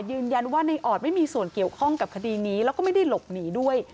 ยืนยันว่าในออดไม่มีส่วนเกี่ยวข้องกับคดีนี้แล้วก็ไม่ได้หลบหนีด้วย